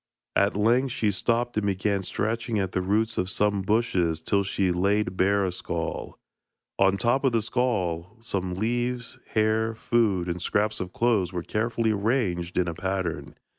At length she stopped and began scratching at the roots of some bushes till she laid bare a skull. On the top of the skull some leaves, hair, food, and scraps of clothes were carefully arranged in a pattern.